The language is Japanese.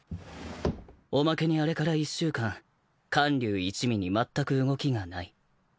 おまけにあれから１週間観柳一味にまったく動きがない。